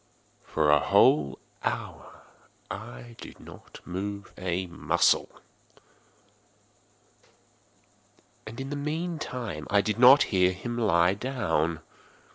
For a whole hour I did not move a muscle, and in the meantime I did not hear him lie down.